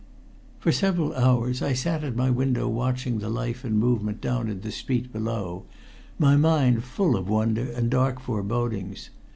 For several hours I sat at my window watching the life and movement down in the street below, my mind full of wonder and dark forebodings.